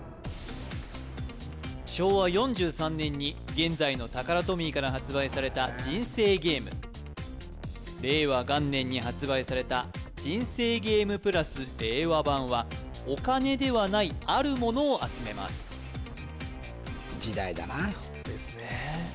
昭和４３年に現在のタカラトミーから発売された人生ゲーム令和元年に発売された人生ゲーム＋令和版はお金ではないあるものを集めます時代だなですねえ